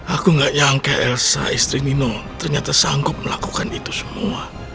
aku gak nyangka elsa istri nino ternyata sanggup melakukan itu semua